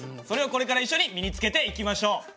それをこれから一緒に身につけていきましょう。